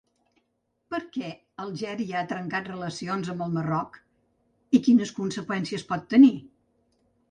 Per què Algèria ha trencat relacions amb el Marroc i quines conseqüències pot tenir?